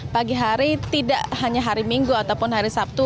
pagi hari tidak hanya hari minggu ataupun hari sabtu